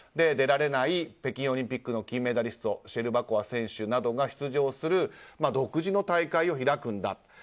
出られない北京オリンピックの金メダリストシェルバコワ選手などが出場する独自の大会を開くんだと。